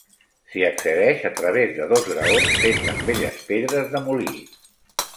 S'hi accedeix a través de dos graons fets amb velles pedres de molí.